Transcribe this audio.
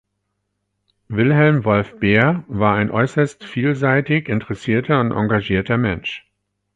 Wilhelm Wolff Beer war ein äußerst vielseitig interessierter und engagierter Mensch.